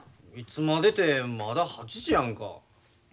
いつまでてまだ８時やんか。